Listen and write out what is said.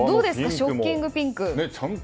ショッキングピンク。